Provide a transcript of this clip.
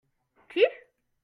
Qui ?